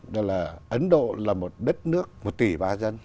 đó là ấn độ là một đất nước một tỷ ba dân